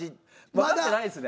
わかってないっすね。